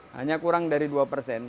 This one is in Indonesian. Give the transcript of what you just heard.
hanya kurang dari dua persen